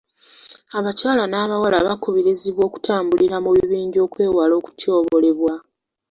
Abakyala n'abawala bakubirizibwa okutambulira mu bibiinja okwewala okutyobolebwa.